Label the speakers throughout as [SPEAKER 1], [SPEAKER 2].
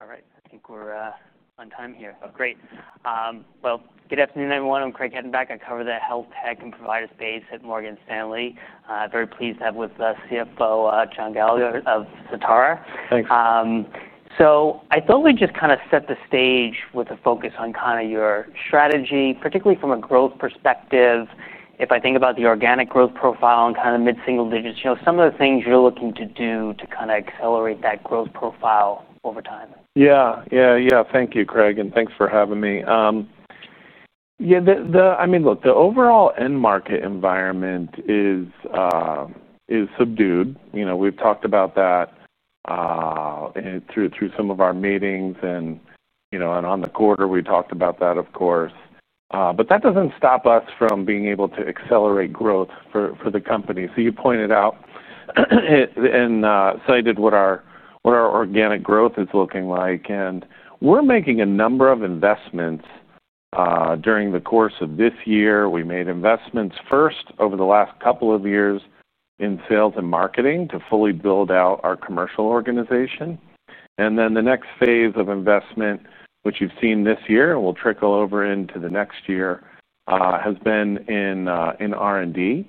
[SPEAKER 1] All right. I think we're on time here. Great. Good afternoon, everyone. I'm Craig Heddenback. I cover the health tech and provider space at Morgan Stanley. Very pleased to have with us CFO John Gallagher of Certara.
[SPEAKER 2] Thanks.
[SPEAKER 1] I thought we'd just set the stage with a focus on your strategy, particularly from a growth perspective. If I think about the organic growth profile and mid-single digits, you know, some of the things you're looking to do to accelerate that growth profile over time.
[SPEAKER 2] Thank you, Craig, and thanks for having me. The overall end market environment is subdued. We've talked about that through some of our meetings, and on the quarter, we talked about that, of course. That doesn't stop us from being able to accelerate growth for the company. You pointed out and cited what our organic growth is looking like, and we're making a number of investments during the course of this year. We made investments first over the last couple of years in sales and marketing to fully build out our commercial organization. The next phase of investment, which you've seen this year and will trickle over into the next year, has been in R&D.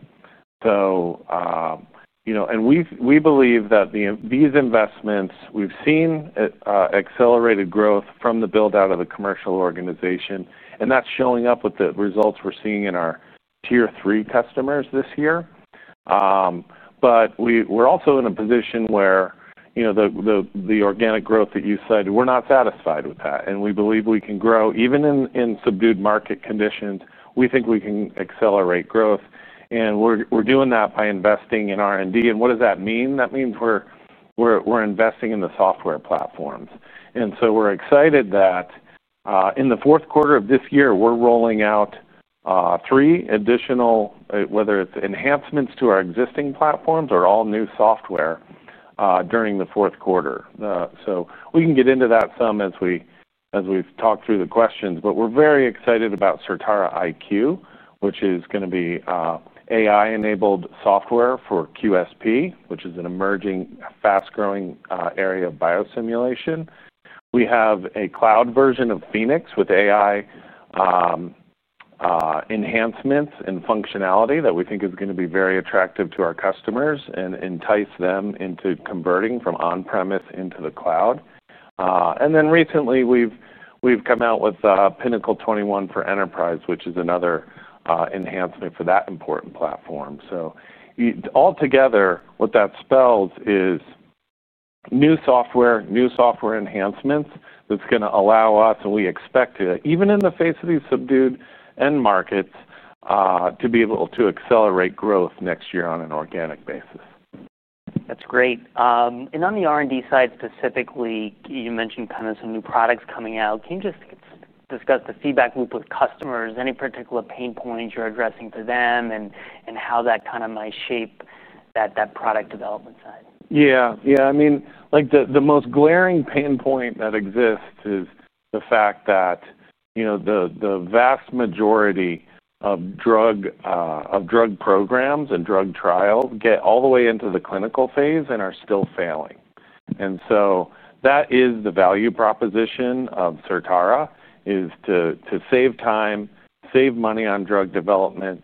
[SPEAKER 2] We believe that these investments—we've seen accelerated growth from the build-out of the commercial organization, and that's showing up with the results we're seeing in our tier-three customers this year. We're also in a position where the organic growth that you cited, we're not satisfied with that, and we believe we can grow even in subdued market conditions. We think we can accelerate growth, and we're doing that by investing in R&D. What does that mean? That means we're investing in the software platforms. We're excited that, in the fourth quarter of this year, we're rolling out three additional, whether it's enhancements to our existing platforms or all new software, during the fourth quarter. We can get into that some as we've talked through the questions. We're very excited about Certara IQ, which is going to be AI-enabled software for QSP, which is an emerging, fast-growing area of biosimulation. We have a cloud version of Phoenix with AI enhancements and functionality that we think is going to be very attractive to our customers and entice them into converting from on-premise into the cloud. Recently, we've come out with Pinnacle 21 for Enterprise, which is another enhancement for that important platform. All together, what that spells is new software, new software enhancements that's going to allow us, and we expect to, even in the face of these subdued end markets, to be able to accelerate growth next year on an organic basis.
[SPEAKER 1] That's great. On the R&D side specifically, you mentioned kinda some new products coming out. Can you just discuss the feedback loop with customers? Any particular pain points you're addressing for them, and how that kinda might shape that product development side?
[SPEAKER 2] Yeah. I mean, the most glaring pain point that exists is the fact that the vast majority of drug programs and drug trials get all the way into the clinical phase and are still failing. That is the value proposition of Certara, to save time, save money on drug development,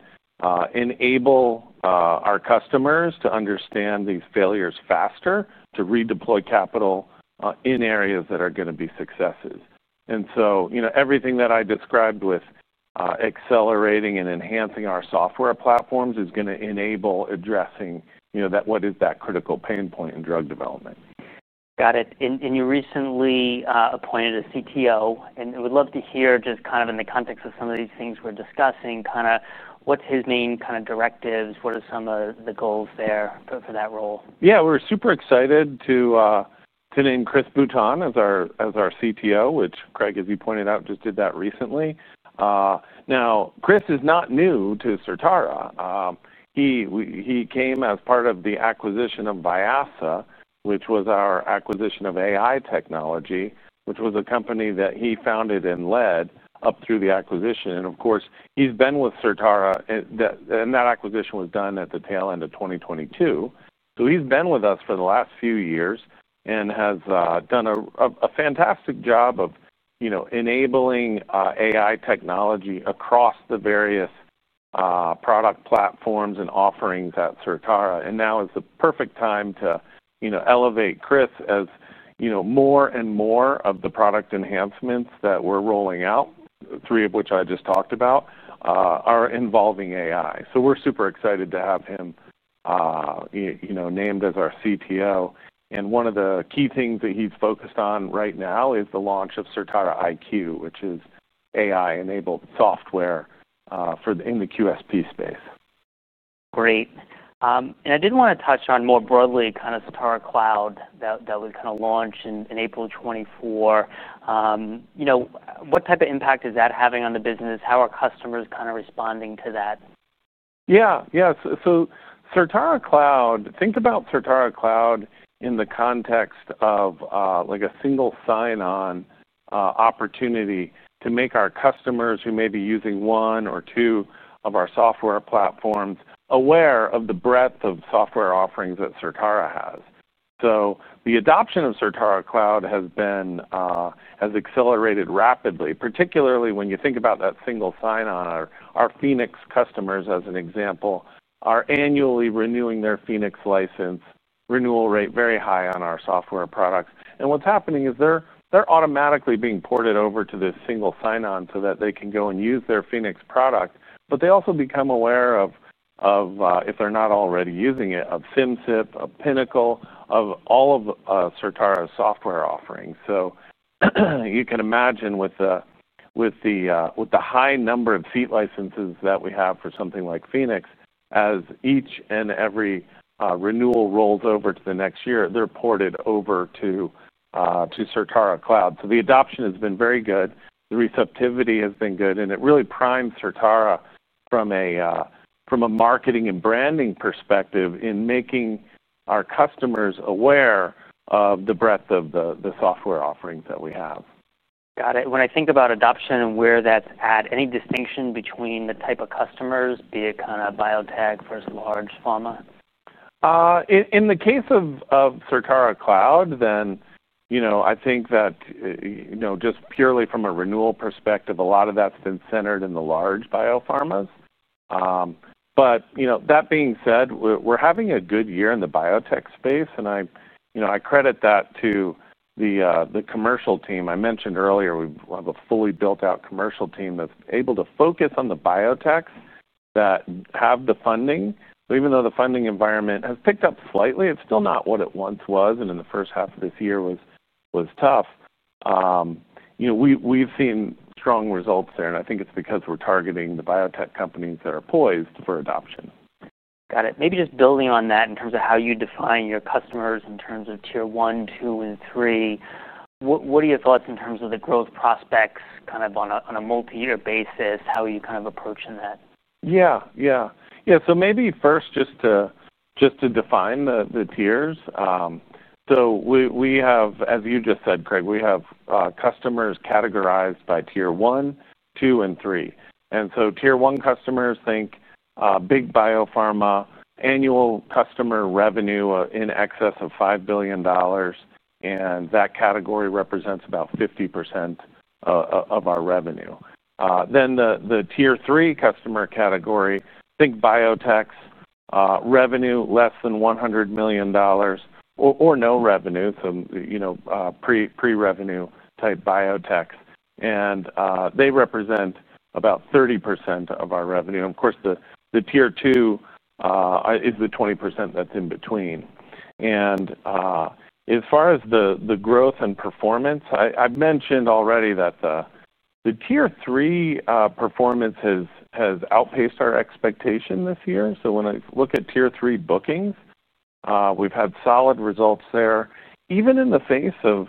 [SPEAKER 2] enable our customers to understand these failures faster, to redeploy capital in areas that are going to be successes. Everything that I described with accelerating and enhancing our software platforms is going to enable addressing what is that critical pain point in drug development.
[SPEAKER 1] Got it. You recently appointed a Chief Technology Officer. I would love to hear, just in the context of some of these things we're discussing, what's his main directives? What are some of the goals there for that role?
[SPEAKER 2] Yeah. We're super excited to name Chris Bouton as our CTO, which Craig, as you pointed out, just did that recently. Now, Chris is not new to Certara. He came as part of the acquisition of Vyasa, which was our acquisition of AI technology, which was a company that he founded and led up through the acquisition. Of course, he's been with Certara and that acquisition was done at the tail end of 2022. He's been with us for the last few years and has done a fantastic job of enabling AI technology across the various product platforms and offerings at Certara. Now is the perfect time to elevate Chris as more and more of the product enhancements that we're rolling out, three of which I just talked about, are involving AI. We're super excited to have him named as our CTO. One of the key things that he's focused on right now is the launch of Certara IQ, which is AI-enabled software for the QSP space.
[SPEAKER 1] Great. I did want to touch on more broadly Certara Cloud that we launched in April of 2024. What type of impact is that having on the business? How are customers responding to that?
[SPEAKER 2] Yeah. Certara Cloud, think about Certara Cloud in the context of a single sign-on, opportunity to make our customers who may be using one or two of our software platforms aware of the breadth of software offerings that Certara has. The adoption of Certara Cloud has accelerated rapidly, particularly when you think about that single sign-on. Our Phoenix customers, as an example, are annually renewing their Phoenix license renewal rate very high on our software products. What's happening is they're automatically being ported over to this single sign-on so that they can go and use their Phoenix product. They also become aware of, if they're not already using it, of SIMCYP, of Pinnacle 21, of all of Certara's software offerings. You can imagine with the high number of seat licenses that we have for something like Phoenix, as each and every renewal rolls over to the next year, they're ported over to Certara Cloud. The adoption has been very good. The receptivity has been good. It really primes Certara from a marketing and branding perspective in making our customers aware of the breadth of the software offerings that we have.
[SPEAKER 1] Got it. When I think about adoption and where that's at, any distinction between the type of customers, be it kind of biotech versus large pharma?
[SPEAKER 2] In the case of Certara Cloud, I think that just purely from a renewal perspective, a lot of that's been centered in the large biopharmas. That being said, we're having a good year in the biotech space. I credit that to the commercial team. I mentioned earlier we have a fully built-out commercial team that's able to focus on the biotechs that have the funding. Even though the funding environment has picked up slightly, it's still not what it once was. In the first half of this year, it was tough. We've seen strong results there, and I think it's because we're targeting the biotech companies that are poised for adoption.
[SPEAKER 1] Got it. Maybe just building on that in terms of how you define your customers in terms of tier one, two, and three. What are your thoughts in terms of the growth prospects kind of on a multi-year basis? How are you kind of approaching that?
[SPEAKER 2] Yeah. Yeah. Yeah. Maybe first just to define the tiers. We have, as you just said, Craig, we have customers categorized by tier one, two, and three. Tier one customers, think big biopharma, annual customer revenue in excess of $5 billion. That category represents about 50% of our revenue. The tier three customer category, think biotechs, revenue less than $100 million or no revenue, so pre-revenue type biotechs. They represent about 30% of our revenue. Of course, the tier two is the 20% that's in between. As far as the growth and performance, I mentioned already that the tier three performance has outpaced our expectation this year. When I look at tier three bookings, we've had solid results there, even in the face of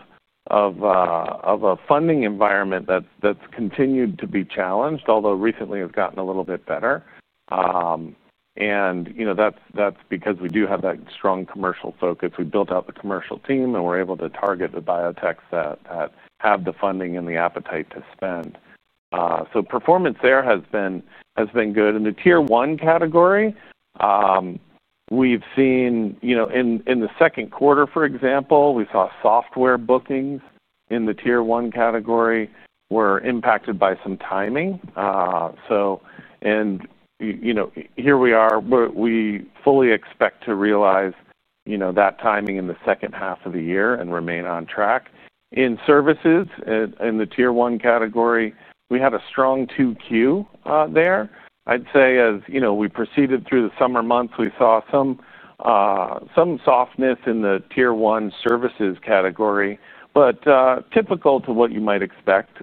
[SPEAKER 2] a funding environment that's continued to be challenged, although recently has gotten a little bit better. That's because we do have that strong commercial focus. We built out the commercial team, and we're able to target the biotechs that have the funding and the appetite to spend, so performance there has been good. In the tier one category, we've seen, in the second quarter, for example, we saw software bookings in the tier one category were impacted by some timing. We fully expect to realize that timing in the second half of the year and remain on track. In services, in the tier one category, we had a strong 2Q there. I'd say as we proceeded through the summer months, we saw some softness in the tier one services category, but typical to what you might expect,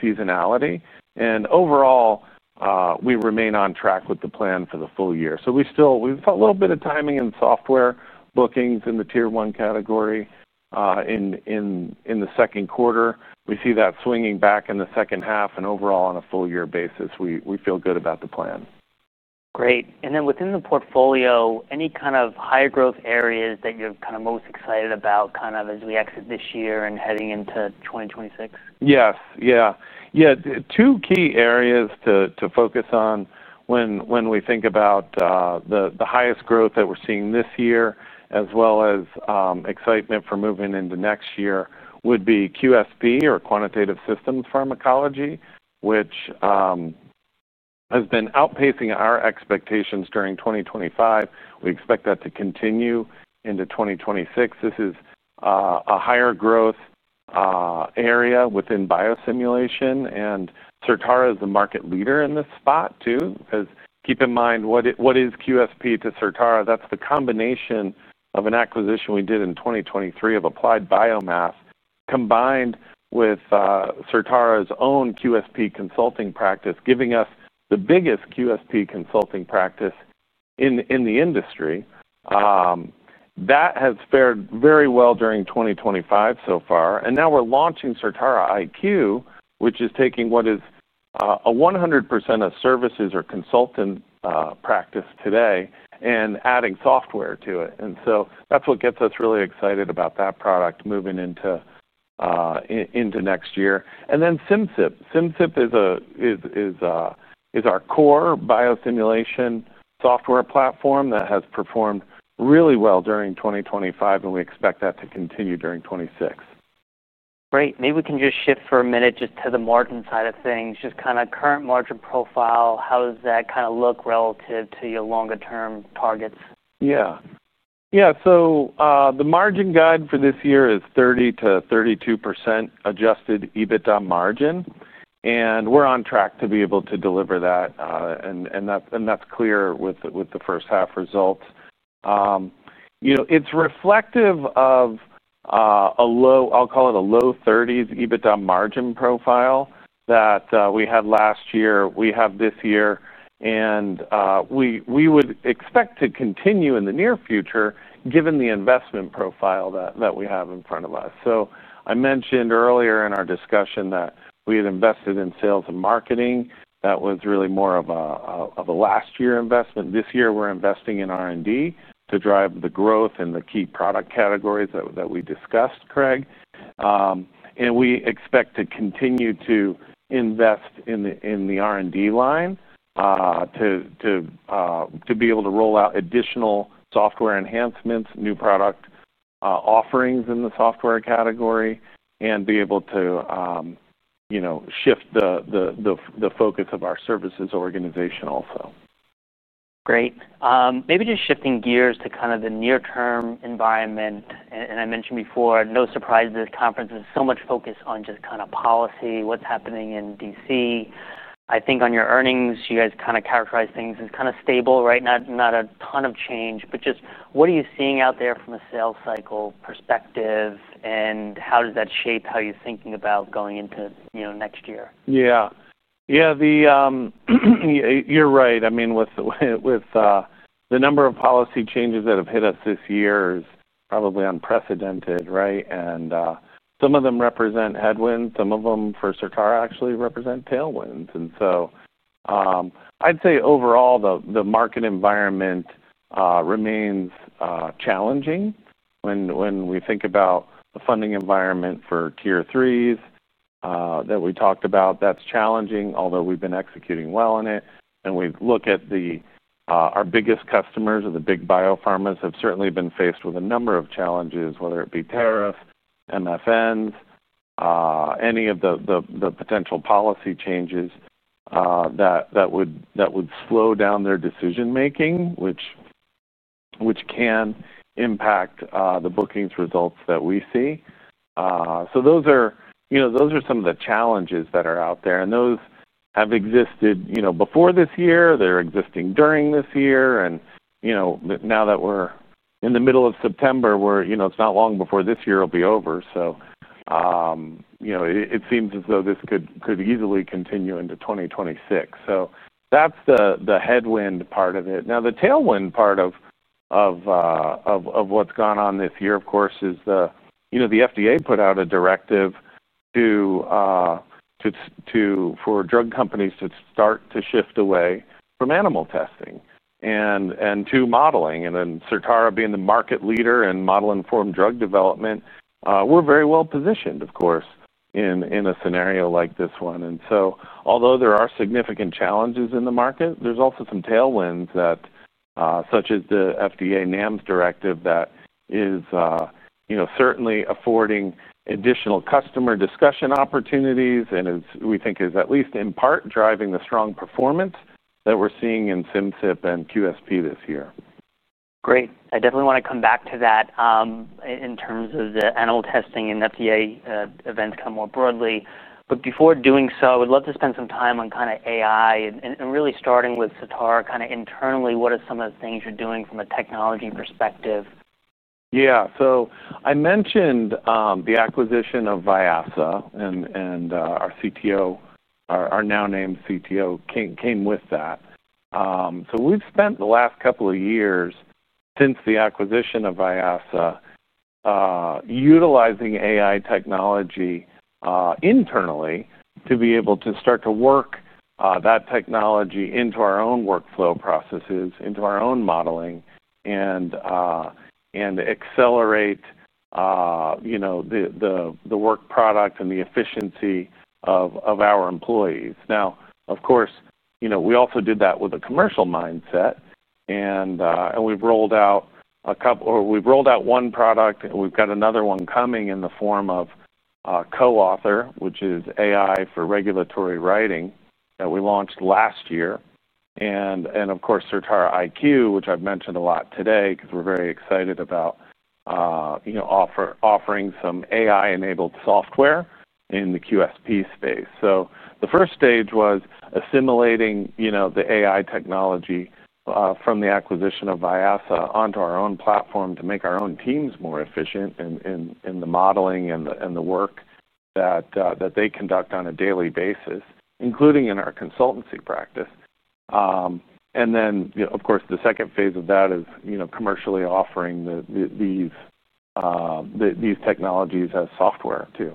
[SPEAKER 2] seasonality. Overall, we remain on track with the plan for the full year. We've had a little bit of timing in software bookings in the tier one category in the second quarter. We see that swinging back in the second half. Overall, on a full-year basis, we feel good about the plan.
[SPEAKER 1] Great. Within the portfolio, any kind of high-growth areas that you're kind of most excited about as we exit this year and heading into 2026?
[SPEAKER 2] Yes. Two key areas to focus on when we think about the highest growth that we're seeing this year, as well as excitement for moving into next year, would be QSP or quantitative systems pharmacology, which has been outpacing our expectations during 2025. We expect that to continue into 2026. This is a higher growth area within biosimulation. Certara is the market leader in this spot too, as keep in mind what it, what is QSP to Certara. That's the combination of an acquisition we did in 2023 of Applied Biomass combined with Certara's own QSP consulting practice, giving us the biggest QSP consulting practice in the industry. That has fared very well during 2025 so far. Now we're launching Certara IQ, which is taking what is a 100% services or consultant practice today and adding software to it. That's what gets us really excited about that product moving into next year. Then SIMCYP. SIMCYP is our core biosimulation software platform that has performed really well during 2025. We expect that to continue during 2026.
[SPEAKER 1] Great. Maybe we can just shift for a minute to the margin side of things. Just current margin profile, how does that look relative to your longer-term targets?
[SPEAKER 2] Yeah. Yeah. The margin guide for this year is 30 to 32% adjusted EBITDA margin, and we're on track to be able to deliver that. That's clear with the first half results. It's reflective of a low, I'll call it a low 30s EBITDA margin profile that we had last year, we have this year, and we would expect to continue in the near future given the investment profile that we have in front of us. I mentioned earlier in our discussion that we had invested in sales and marketing. That was really more of a last-year investment. This year, we're investing in R&D to drive the growth in the key product categories that we discussed, Craig. We expect to continue to invest in the R&D line to be able to roll out additional software enhancements, new product offerings in the software category, and be able to shift the focus of our services organization also.
[SPEAKER 1] Great. Maybe just shifting gears to kind of the near-term environment. I mentioned before, no surprises, conferences, so much focus on just kind of policy, what's happening in D.C. I think on your earnings, you guys kind of characterize things as kind of stable, right? Not a ton of change. What are you seeing out there from a sales cycle perspective, and how does that shape how you're thinking about going into next year?
[SPEAKER 2] Yeah. You're right. I mean, with the number of policy changes that have hit us this year, it is probably unprecedented, right? Some of them represent headwinds. Some of them for Certara actually represent tailwinds. I'd say overall, the market environment remains challenging. When we think about the funding environment for tier threes that we talked about, that's challenging, although we've been executing well in it. We look at our biggest customers, or the big biopharmas, have certainly been faced with a number of challenges, whether it be tariffs, MFNs, any of the potential policy changes that would slow down their decision-making, which can impact the bookings results that we see. Those are some of the challenges that are out there. Those have existed before this year. They're existing during this year. Now that we're in the middle of September, it's not long before this year will be over. It seems as though this could easily continue into 2026. That's the headwind part of it. Now, the tailwind part of what's gone on this year, of course, is the FDA put out a directive for drug companies to start to shift away from animal testing and to modeling. Certara, being the market leader in model-informed drug development, we're very well positioned, of course, in a scenario like this one. Although there are significant challenges in the market, there's also some tailwinds, such as the FDA NAMS directive, that is certainly affording additional customer discussion opportunities and is, we think, at least in part driving the strong performance that we're seeing in SIMCYP and QSP this year.
[SPEAKER 1] Great. I definitely want to come back to that, in terms of the animal testing and FDA events more broadly. Before doing so, I would love to spend some time on AI and really starting with Certara internally, what are some of the things you're doing from a technology perspective?
[SPEAKER 2] Yeah. I mentioned the acquisition of Vyasa, and our Chief Technology Officer, our now named Chief Technology Officer, came with that. We've spent the last couple of years since the acquisition of Vyasa utilizing AI technology internally to be able to start to work that technology into our own workflow processes, into our own modeling, and accelerate the work product and the efficiency of our employees. Of course, we also did that with a commercial mindset. We've rolled out one product, and we've got another one coming in the form of co-author, which is AI for regulatory writing that we launched last year. Of course, Certara IQ, which I've mentioned a lot today because we're very excited about offering some AI-enabled software in the QSP space. The first stage was assimilating the AI technology from the acquisition of Vyasa onto our own platform to make our own teams more efficient in the modeling and the work that they conduct on a daily basis, including in our consultancy practice. The second phase of that is commercially offering these technologies as software too.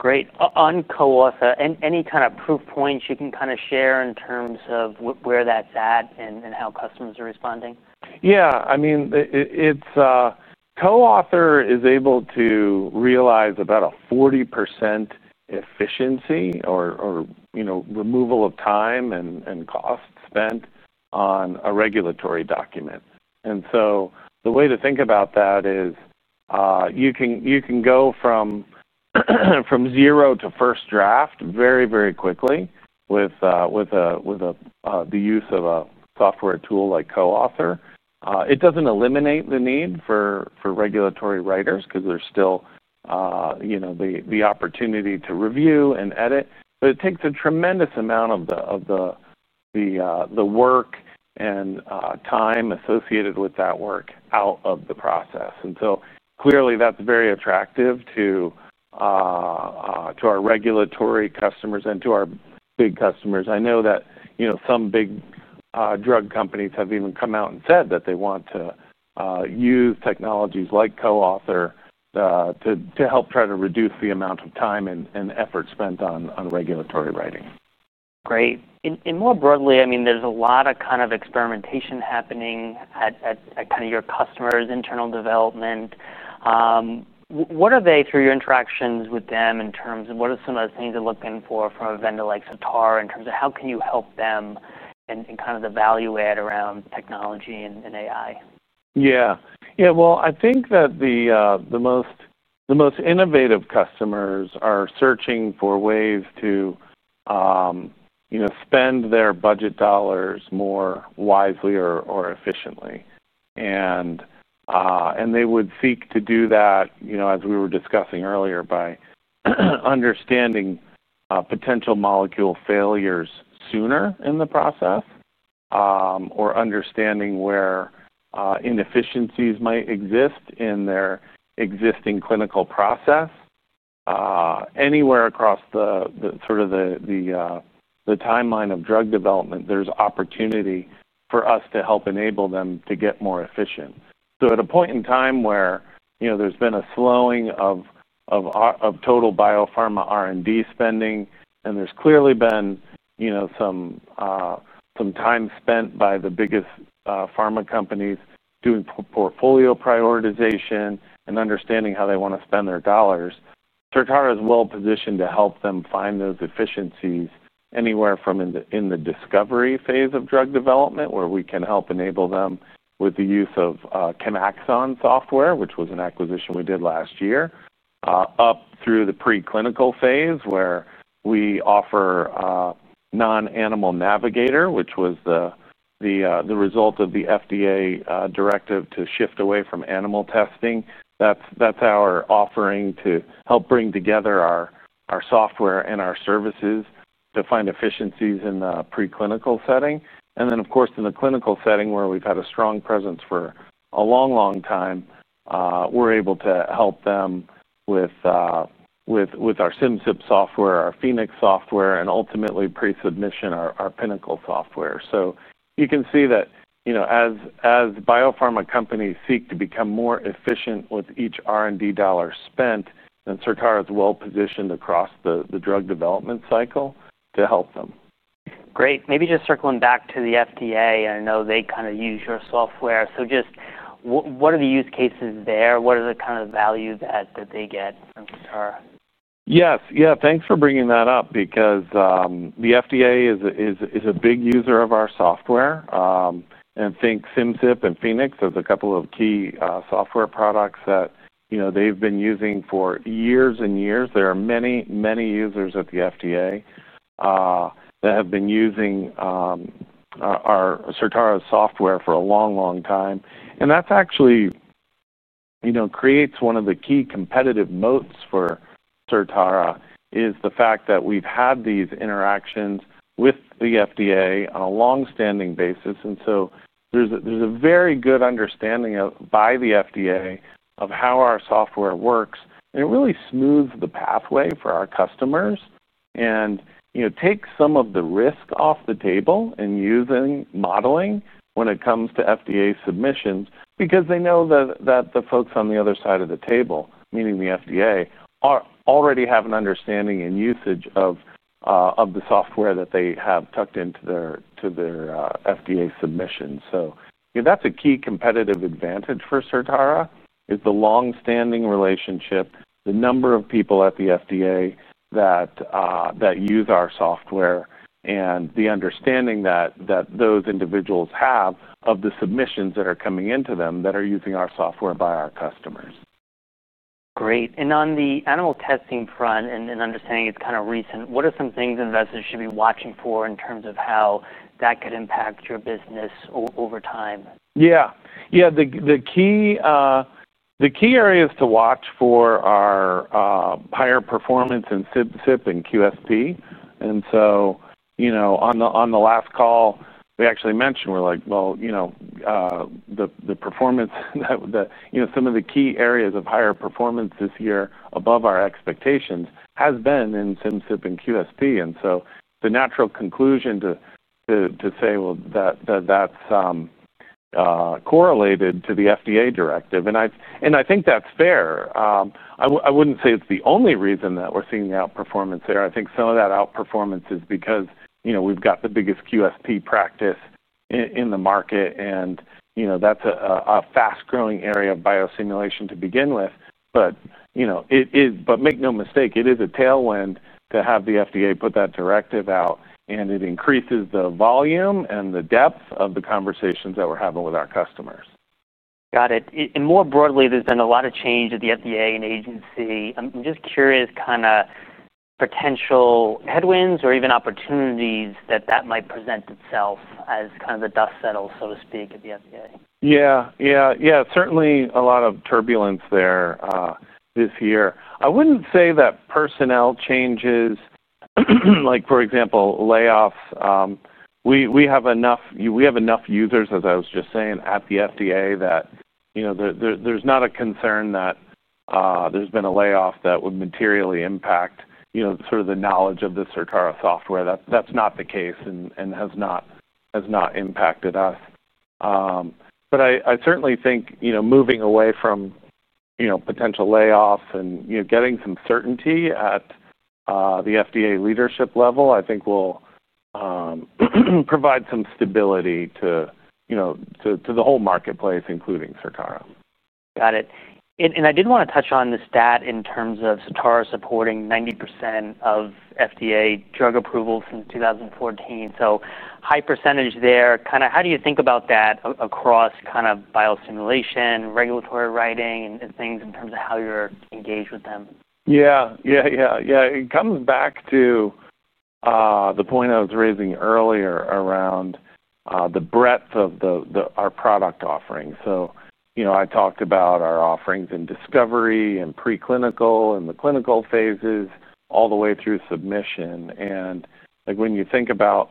[SPEAKER 1] Great. On co-author, any kind of proof points you can share in terms of where that's at and how customers are responding?
[SPEAKER 2] Yeah. I mean, co-author is able to realize about a 40% efficiency or, you know, removal of time and cost spent on a regulatory document. The way to think about that is, you can go from zero to first draft very, very quickly with the use of a software tool like co-author. It doesn't eliminate the need for regulatory writers because there's still the opportunity to review and edit, but it takes a tremendous amount of the work and time associated with that work out of the process. Clearly, that's very attractive to our regulatory customers and to our big customers. I know that some big drug companies have even come out and said that they want to use technologies like co-author to help try to reduce the amount of time and effort spent on regulatory writing.
[SPEAKER 1] Great. More broadly, there's a lot of experimentation happening at your customers' internal development. What are they, through your interactions with them, in terms of what are some of the things they're looking for from a vendor like Certara in terms of how can you help them in the value add around technology and AI?
[SPEAKER 2] I think that the most innovative customers are searching for ways to spend their budget dollars more wisely or efficiently. They would seek to do that, as we were discussing earlier, by understanding potential molecule failures sooner in the process or understanding where inefficiencies might exist in their existing clinical process. Anywhere across the sort of timeline of drug development, there's opportunity for us to help enable them to get more efficient. At a point in time where there's been a slowing of total biopharma R&D spending, and there's clearly been some time spent by the biggest pharma companies doing portfolio prioritization and understanding how they want to spend their dollars, Certara is well positioned to help them find those efficiencies anywhere from in the discovery phase of drug development, where we can help enable them with the use of Camaxon software, which was an acquisition we did last year, up through the preclinical phase where we offer Non-Animal Navigator, which was the result of the FDA directive to shift away from animal testing. That's our offering to help bring together our software and our services to find efficiencies in the preclinical setting. In the clinical setting, where we've had a strong presence for a long time, we're able to help them with our SIMCYP software, our Phoenix software, and ultimately pre-submission our Pinnacle software. You can see that as biopharma companies seek to become more efficient with each R&D dollar spent, Certara is well positioned across the drug development cycle to help them.
[SPEAKER 1] Great. Maybe just circling back to the FDA. I know they use your software. What are the use cases there? What is the kind of value that they get from Certara?
[SPEAKER 2] Yes. Thanks for bringing that up because the FDA is a big user of our software. I think SIMCYP and Phoenix, there's a couple of key software products that they've been using for years and years. There are many, many users at the FDA that have been using our Certara software for a long, long time. That's actually, you know, creates one of the key competitive moats for Certara, the fact that we've had these interactions with the FDA on a longstanding basis. There's a very good understanding by the FDA of how our software works. It really smooths the pathway for our customers and takes some of the risk off the table in using modeling when it comes to FDA submissions because they know that the folks on the other side of the table, meaning the FDA, already have an understanding and usage of the software that they have tucked into their FDA submissions. That's a key competitive advantage for Certara, the longstanding relationship, the number of people at the FDA that use our software, and the understanding that those individuals have of the submissions that are coming into them that are using our software by our customers.
[SPEAKER 1] Great. On the animal testing front, understanding it's kinda recent, what are some things investors should be watching for in terms of how that could impact your business over time?
[SPEAKER 2] Yeah. The key areas to watch for are higher performance in SIMCYP and QSP. On the last call, they actually mentioned, we're like, well, you know, the performance that some of the key areas of higher performance this year above our expectations has been in SIMCYP and QSP. The natural conclusion to say that's correlated to the FDA directive. I think that's fair. I wouldn't say it's the only reason that we're seeing the outperformance there. I think some of that outperformance is because we've got the biggest QSP practice in the market, and that's a fast-growing area of biosimulation to begin with. It is, but make no mistake, it is a tailwind to have the FDA put that directive out. It increases the volume and the depth of the conversations that we're having with our customers.
[SPEAKER 1] Got it. More broadly, there's been a lot of change at the FDA and agency. I'm just curious, potential headwinds or even opportunities that might present itself as the dust settles, so to speak, at the FDA.
[SPEAKER 2] Yeah. Certainly a lot of turbulence there this year. I wouldn't say that personnel changes, like, for example, layoffs. We have enough users, as I was just saying, at the FDA that there's not a concern that there's been a layoff that would materially impact the knowledge of the Certara software. That's not the case and has not impacted us. I certainly think moving away from potential layoffs and getting some certainty at the FDA leadership level, I think, will provide some stability to the whole marketplace, including Certara.
[SPEAKER 1] Got it. I did wanna touch on the stat in terms of Certara supporting 90% of FDA drug approvals in 2014. That's a high percentage there. How do you think about that across biosimulation, regulatory writing, and things in terms of how you're engaged with them?
[SPEAKER 2] It comes back to the point I was raising earlier around the breadth of our product offering. I talked about our offerings in discovery and preclinical and the clinical phases all the way through submission. When you think about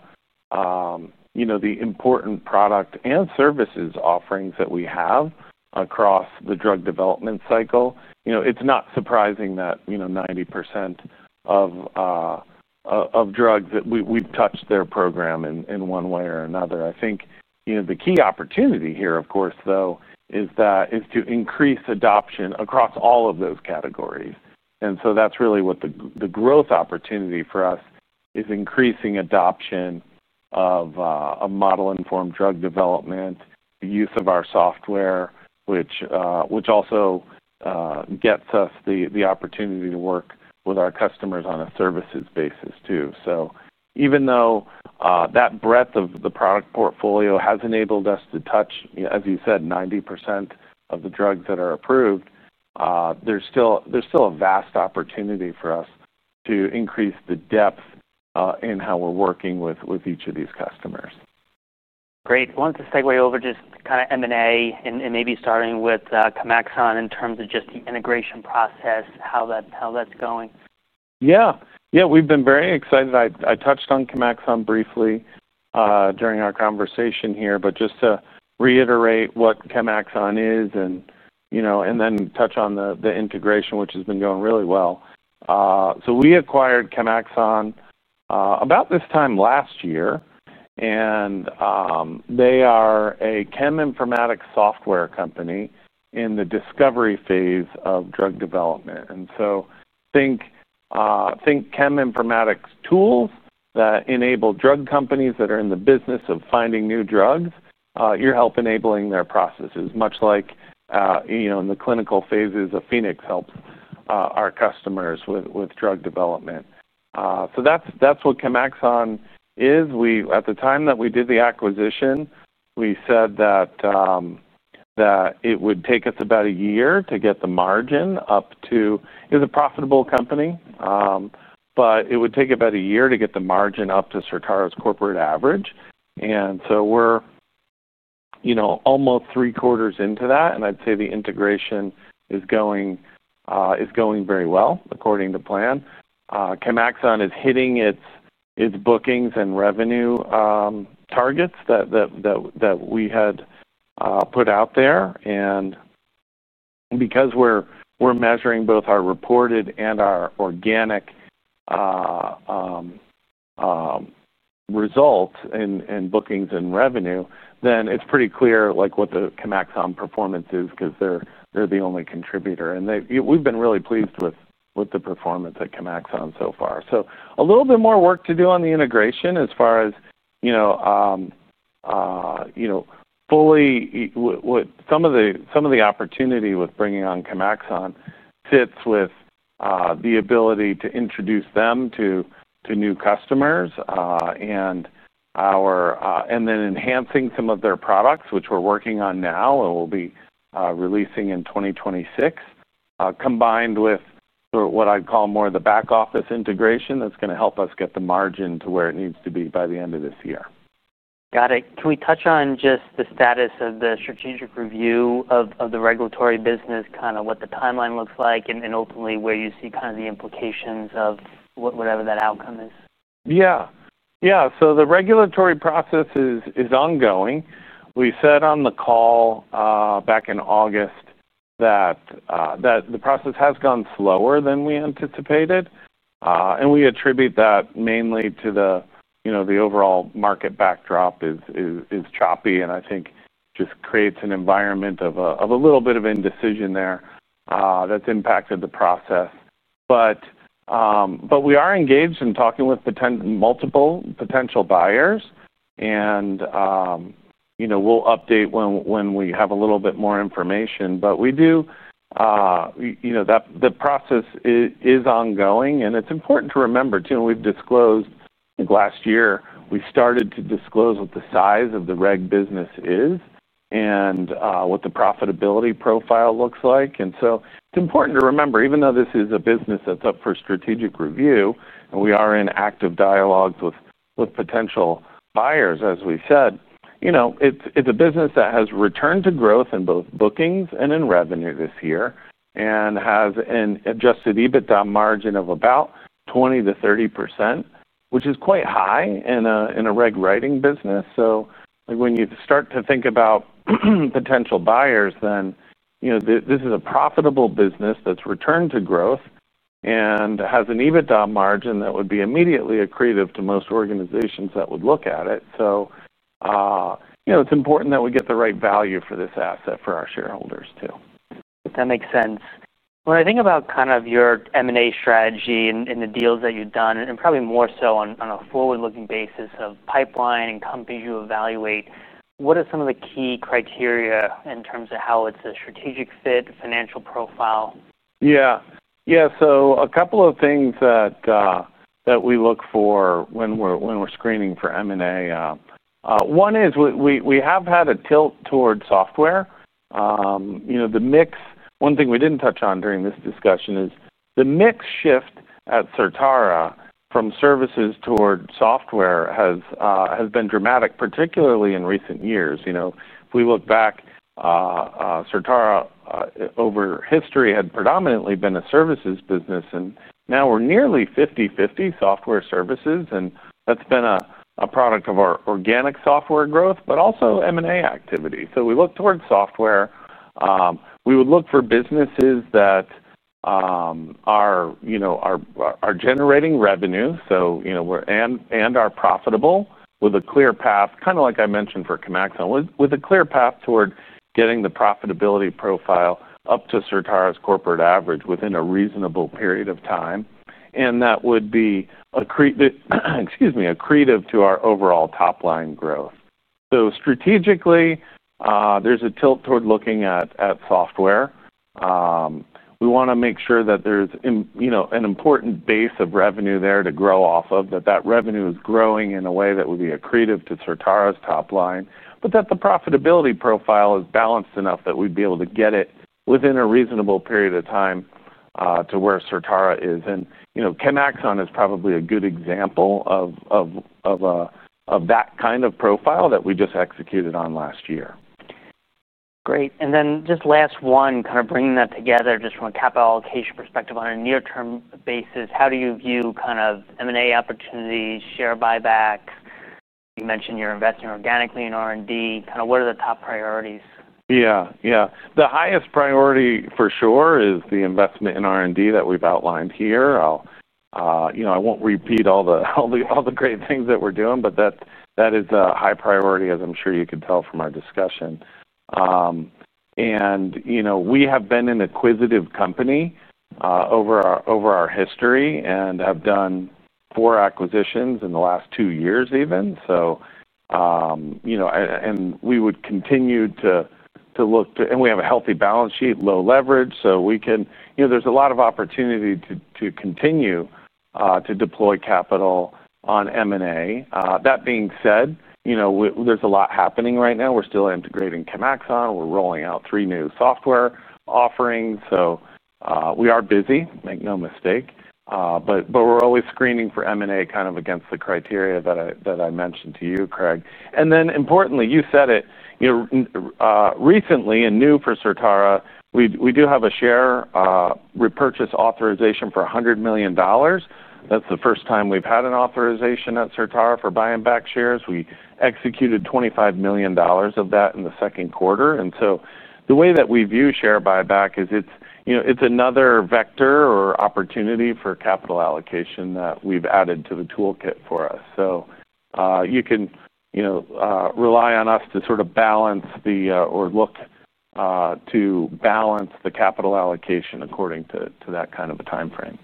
[SPEAKER 2] the important product and services offerings that we have across the drug development cycle, it's not surprising that 90% of drugs that we have touched their program in one way or another. I think the key opportunity here, of course, is to increase adoption across all of those categories. That's really what the growth opportunity for us is, increasing adoption of model-informed drug development, the use of our software, which also gets us the opportunity to work with our customers on a services basis too. Even though that breadth of the product portfolio has enabled us to touch, as you said, 90% of the drugs that are approved, there's still a vast opportunity for us to increase the depth in how we're working with each of these customers.
[SPEAKER 1] Great. I wanted to segue over to M&A, maybe starting with Camaxon in terms of the integration process, how that's going.
[SPEAKER 2] Yeah. We've been very excited. I touched on Camaxon briefly during our conversation here. Just to reiterate what Camaxon is and then touch on the integration, which has been going really well. We acquired Camaxon about this time last year. They are a chem-informatics software company in the discovery phase of drug development. Think chem-informatics tools that enable drug companies that are in the business of finding new drugs, you're help enabling their processes, much like in the clinical phases Phoenix helps our customers with drug development. That's what Camaxon is. At the time that we did the acquisition, we said that it would take us about a year to get the margin up to, it's a profitable company, but it would take about a year to get the margin up to Certara's corporate average. We're almost three quarters into that. I'd say the integration is going very well according to plan. Camaxon is hitting its bookings and revenue targets that we had put out there. Because we're measuring both our reported and our organic results in bookings and revenue, then it's pretty clear what the Camaxon performance is because they're the only contributor. We've been really pleased with the performance at Camaxon so far. A little bit more work to do on the integration as far as fully what some of the opportunity with bringing on Camaxon sits with the ability to introduce them to new customers, and then enhancing some of their products, which we're working on now and will be releasing in 2026, combined with what I'd call more of the back-office integration that's going to help us get the margin to where it needs to be by the end of this year.
[SPEAKER 1] Got it. Can we touch on just the status of the strategic review of the regulatory business, what the timeline looks like, and ultimately where you see the implications of whatever that outcome is?
[SPEAKER 2] Yeah. The regulatory process is ongoing. We said on the call back in August that the process has gone slower than we anticipated, and we attribute that mainly to the overall market backdrop, which is choppy. I think it just creates an environment of a little bit of indecision there that's impacted the process. We are engaged in talking with multiple potential buyers, and we'll update when we have a little bit more information. The process is ongoing. It's important to remember too, and we've disclosed, I think last year, we started to disclose what the size of the reg business is and what the profitability profile looks like. It's important to remember, even though this is a business that's up for strategic review and we are in active dialogues with potential buyers, as we said, it's a business that has returned to growth in both bookings and in revenue this year and has an adjusted EBITDA margin of about 20% to 30%, which is quite high in a reg writing business. When you start to think about potential buyers, this is a profitable business that's returned to growth and has an EBITDA margin that would be immediately accretive to most organizations that would look at it. It's important that we get the right value for this asset for our shareholders too.
[SPEAKER 1] That makes sense. When I think about your M&A strategy and the deals that you've done, and probably more so on a forward-looking basis of pipeline and companies you evaluate, what are some of the key criteria in terms of how it's a strategic fit, financial profile?
[SPEAKER 2] Yeah. A couple of things that we look for when we're screening for M&A, one is we have had a tilt toward software. The mix, one thing we didn't touch on during this discussion is the mix shift at Certara from services toward software has been dramatic, particularly in recent years. If we look back, Certara over history had predominantly been a services business. Now we're nearly 50/50 software services. That's been a product of our organic software growth, but also M&A activity. We look towards software. We would look for businesses that are generating revenue and are profitable with a clear path, kind of like I mentioned for Camaxon, with a clear path toward getting the profitability profile up to Certara's corporate average within a reasonable period of time. That would be accretive, excuse me, accretive to our overall top-line growth. Strategically, there's a tilt toward looking at software. We want to make sure that there's an important base of revenue there to grow off of, that revenue is growing in a way that would be accretive to Certara's top line, but that the profitability profile is balanced enough that we'd be able to get it within a reasonable period of time to where Certara is. Camaxon is probably a good example of that kind of profile that we just executed on last year.
[SPEAKER 1] Great. Just last one, bringing that together from a capital allocation perspective on a near-term basis, how do you view M&A opportunities, share buyback? You mentioned you're investing organically in R&D. What are the top priorities?
[SPEAKER 2] Yeah. The highest priority for sure is the investment in R&D that we've outlined here. I won't repeat all the great things that we're doing, but that is a high priority, as I'm sure you could tell from our discussion. We have been an acquisitive company over our history and have done four acquisitions in the last two years even. We would continue to look to, and we have a healthy balance sheet, low leverage. We can, you know, there's a lot of opportunity to continue to deploy capital on M&A. That being said, there's a lot happening right now. We're still integrating Camaxon. We're rolling out three new software offerings. We are busy, make no mistake. We're always screening for M&A kind of against the criteria that I mentioned to you, Craig. Importantly, you said it recently and new for Certara, we do have a share repurchase authorization for $100 million. That's the first time we've had an authorization at Certara for buying back shares. We executed $25 million of that in the second quarter. The way that we view share buyback is it's another vector or opportunity for capital allocation that we've added to the toolkit for us. You can rely on us to sort of balance the, or look to balance the capital allocation according to that kind of a timeframe.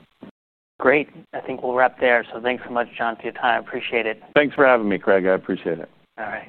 [SPEAKER 1] Great. I think we'll wrap there. Thanks so much, John, for your time. I appreciate it.
[SPEAKER 2] Thanks for having me, Craig. I appreciate it.
[SPEAKER 1] All right.